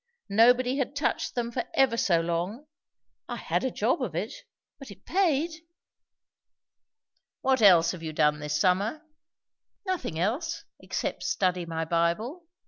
Nobody had touched them for ever so long. I had a job of it. But it paid." "What else have you done this summer?" "Nothing else, except study my Bible.